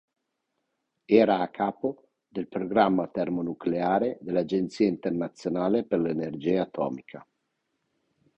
Era a capo del programma termonucleare dell'Agenzia internazionale per l'energia atomica.